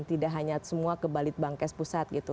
tidak hanya semua ke balit bangkes pusat gitu